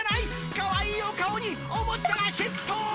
かわいいお顔におもちゃがヒット！